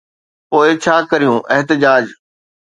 پوءِ ڇا ڪريون احتجاج؟